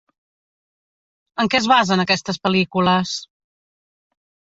En què es basen aquestes pel·lícules?